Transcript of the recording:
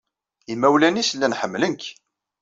Imawlan-nnes llan ḥemmlen-k.